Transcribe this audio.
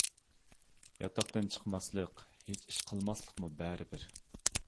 ياتاقتىن چىقماسلىق، ھېچ ئىش قىلماسلىقمۇ بەرىبىر.